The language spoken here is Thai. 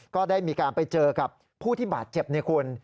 ก็ได้มีการไปเจอกับผู้ที่บาดเจ็บนี่คุณ